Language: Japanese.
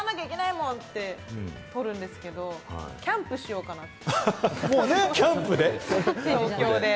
泊まらないといけないもん！って取るんですけど、キャンプしようかなって。